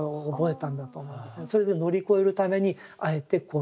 それで乗り越えるためにあえてこういう。